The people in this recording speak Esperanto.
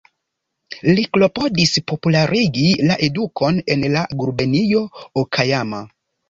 Li klopodis popularigi la edukon en la gubernio Okajama.